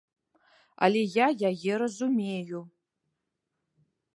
Але я яе разумею.